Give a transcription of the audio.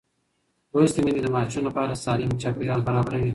لوستې میندې د ماشوم لپاره سالم چاپېریال برابروي.